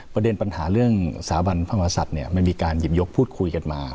ประเด็นปัญหาเรื่องสถาบันพระมหาศัตริย์มันมีการหยิบยกพูดคุยกันมา